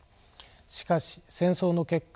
しかし戦争の結果